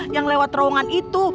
yang lewat terowongan itu